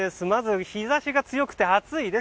まず日差しが強くて暑い。